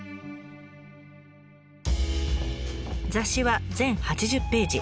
雑誌は全８０ページ。